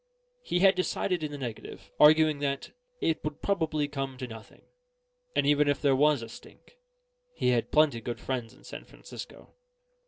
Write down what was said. He had decided in the negative, arguing that "it would probably come to nothing; and even if there was a stink, he had plenty good friends in San Francisco."